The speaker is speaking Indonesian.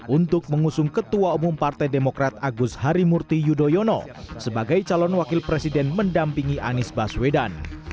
untuk mengusung ketua umum partai demokrat agus harimurti yudhoyono sebagai calon wakil presiden mendampingi anies baswedan